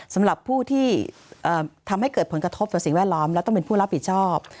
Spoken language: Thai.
สำหรับผู้ที่ทำให้เกิดผลกระทบต่อสิ่งแวดล้อมและต้องเป็นผู้รับผิดชอบ